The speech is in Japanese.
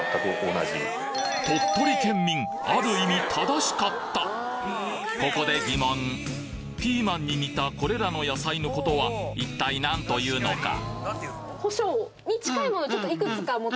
鳥取県民ある意味正しかったここで疑問ピーマンに似たこれらの野菜のことは一体何というのか？